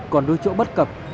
còn đôi chỗ bất cập